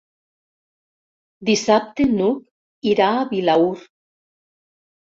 Dissabte n'Hug irà a Vilaür.